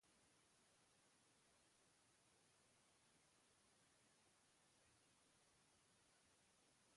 Batxilergoa amaituta, bere etorkizuna Kimikan zegoela ulertu zuen.